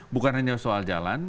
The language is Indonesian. bukan hanya soal jalan